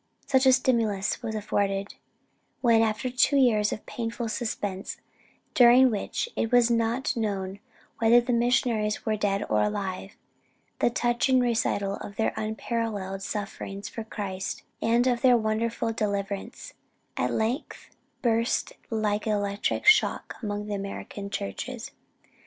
"Such a stimulus was afforded, when after two years of painful suspense, during which it was not known whether the missionaries were dead or alive, the touching recital of their unparalleled sufferings for Christ's sake, and of their wonderful deliverance, at length burst like an electric shock upon the American churches.